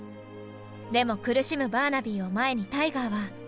でも苦しむバーナビーを前にタイガーは。